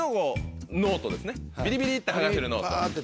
ビリビリって剥がせるノート。